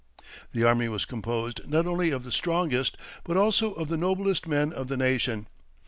The army was composed not only of the strongest, but also of the noblest men of the nation.